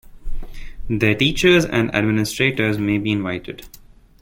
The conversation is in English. Their teachers and administrators may be invited.